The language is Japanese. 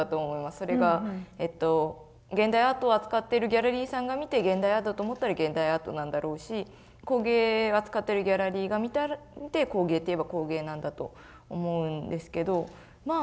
それが現代アートを扱っているギャラリーさんが見て現代アートだと思ったら現代アートなんだろうし工芸を扱ってるギャラリーが見て工芸って言えば工芸なんだと思うんですけどまあ